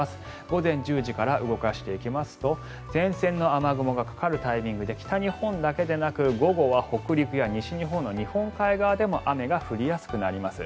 午前１０時から動かしていきますと前線の雨雲がかかるタイミングで北日本だけでなく午後は北陸や西日本の日本海側でも雨が降りやすくなります。